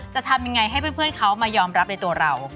จะทำยังไงให้เพื่อนเขามายอมรับในตัวเรา